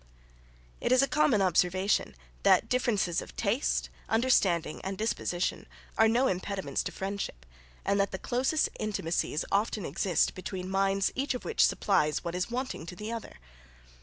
It is a common observation that differences of taste, understanding, and disposition, are no impediments to friendship, and that the closest intimacies often exist between minds each of which supplies what is wanting to the other.